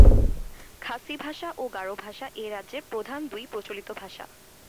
খাসি ভাষা ও গারো ভাষা এই রাজ্যের প্রধান দুই প্রচলিত ভাষা।